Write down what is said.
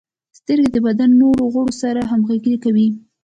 • سترګې د بدن نورو غړو سره همغږي کوي.